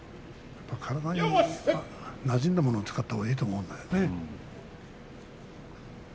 体になじんだものを使ったほうがいいと思うんだよね。